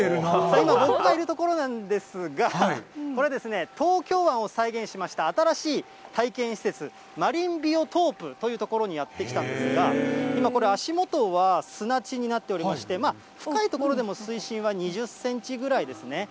今、僕がいる所なんですが、これは東京湾を再現しました新しい体験施設、マリンビオトープという所にやって来たんですが、今、これ、足元は砂地になっておりまして、深い所でも水深は２０センチぐらいですね。